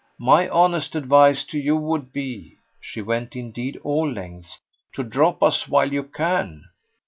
My honest advice to you would be " she went indeed all lengths "to drop us while you can.